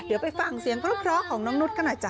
เดี๋ยวไปฟังเสียงเพราะของน้องนุษย์กันหน่อยจ้